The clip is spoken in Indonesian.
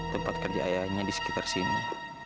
tempat kerja ayahnya di sekitar sini